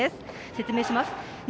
説明します。